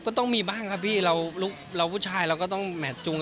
ก็ต้องมีบ้างครับพี่เราผู้ชายเราก็ต้องแมทจุง